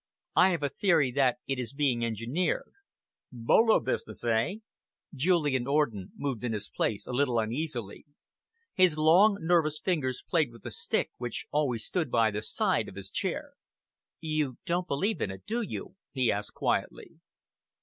"I have a theory that it is being engineered." "Bolo business, eh?" Julian Orden moved in his place a little uneasily. His long, nervous fingers played with the stick which stood always by the side of his chair. "You don't believe in it, do you?" he asked quietly.